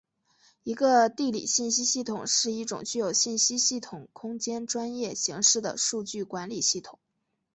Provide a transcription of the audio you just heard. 一个地理信息系统是一种具有信息系统空间专业形式的数据管理系统。